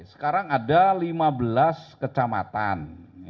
sekarang ada lima belas kecamatan